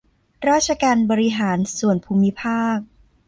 ราชการบริหารส่วนภูมิภาค